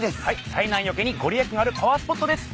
災難よけに御利益があるパワースポットです。